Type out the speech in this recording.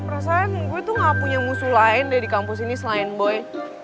perasaan gue tuh gak punya musuh lain deh di kampus ini selain boy